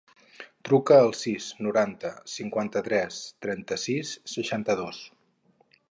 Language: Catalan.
Truca al sis, noranta, cinquanta-tres, trenta-sis, seixanta-dos.